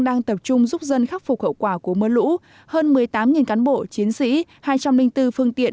đang tập trung giúp dân khắc phục hậu quả của mưa lũ hơn một mươi tám cán bộ chiến sĩ hai trăm linh bốn phương tiện